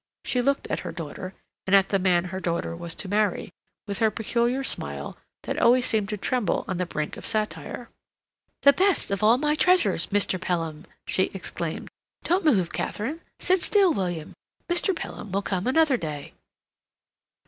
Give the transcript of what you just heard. She looked at her daughter, and at the man her daughter was to marry, with her peculiar smile that always seemed to tremble on the brink of satire. "The best of all my treasures, Mr. Pelham!" she exclaimed. "Don't move, Katharine. Sit still, William. Mr. Pelham will come another day."